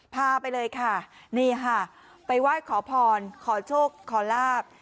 พาไปเลยค่ะนี่ค่ะไปไหว้ขอพรขอโชคขอลาบ